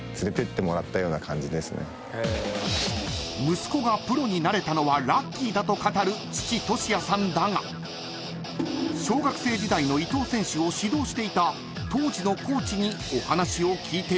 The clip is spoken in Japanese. ［息子がプロになれたのはラッキーだと語る父利也さんだが小学生時代の伊東選手を指導していた］